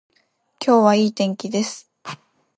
今日は良い天気です